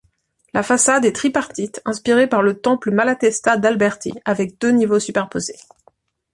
La façade est tripartite, inspiré par le Temple Malatesta d'Alberti, avec deux niveaux superposés.